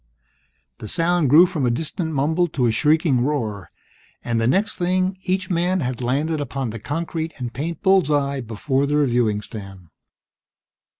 The sound grew from a distant mumble to a shrieking roar, and the next thing, each man had landed upon the concrete and paint bull's eye before the reviewing stand.